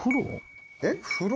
えっ風呂？